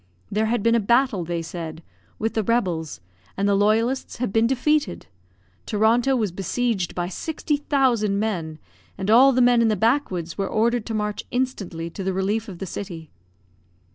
There had been a battle, they said, with the rebels, and the loyalists had been defeated; Toronto was besieged by sixty thousand men, and all the men in the backwoods were ordered to march instantly to the relief of the city.